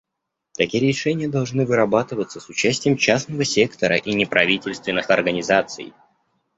Такие решения должны вырабатываться с участием частного сектора и неправительственных организаций.